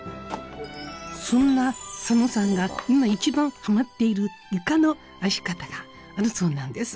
そんな佐野さんが今一番ハマっているイカの愛し方があるそうなんです。